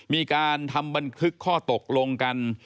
มีการทำบันทึกข้อตกลงกัน